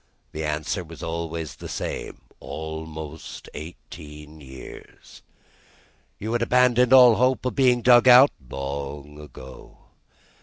The answer was always the same: "Almost eighteen years." "You had abandoned all hope of being dug out?" "Long ago."